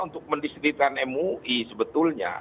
untuk mendistributikan mui sebetulnya